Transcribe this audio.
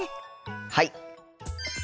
はい！